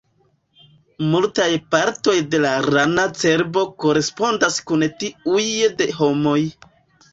Multaj partoj de la rana cerbo korespondas kun tiuj de homoj.